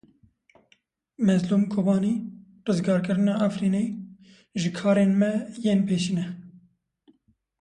Mezlûm Kobanî Rizgarkirina Efrînê ji karên me yên pêşîn e.